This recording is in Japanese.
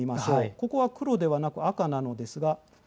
ここは黒ではなく赤なのですが。